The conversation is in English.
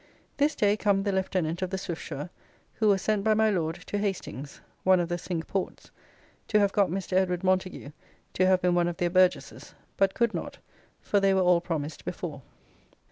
This day come the Lieutenant of the Swiftsure, who was sent by my Lord to Hastings, one of the Cinque Ports, to have got Mr. Edward Montagu to have been one of their burgesses, but could not, for they were all promised before.